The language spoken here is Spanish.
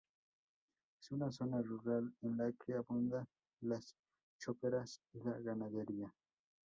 Es una zona rural en la que abundan las choperas y la ganadería.